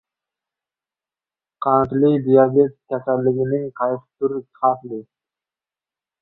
Qandli diabet. Kasallikning qaysi turi xavfli?